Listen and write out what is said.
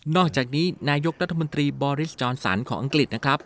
อกจากนี้นายกรัฐมนตรีบอริสจอนสันของอังกฤษนะครับ